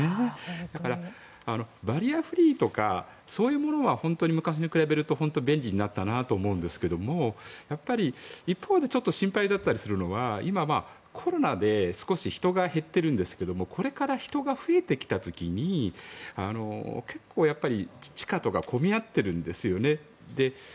だから、バリアフリーとかそういうものは本当に昔と比べると本当に便利になったと思うんですが一方でちょっと心配だったりするのは今、コロナで少し人が減っているんですけどこれから人が増えてきた時に結構、地下とか混み合ってるんですよね。